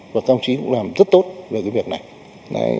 và công trí cũng làm rất tốt về việc này